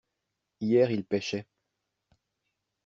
Hier ils pêchaient.